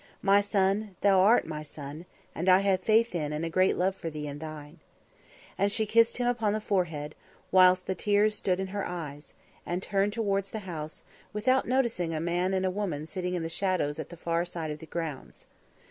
"My son, thou art my son, and I have faith in and a great love for thee and thine." And she kissed him upon the forehead, whilst the tears stood in her eyes, and turned towards the house, without noticing a man and a woman sitting in the shadows at the far side of the grounds.